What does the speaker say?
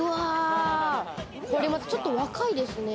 これまた、ちょっと若いですね。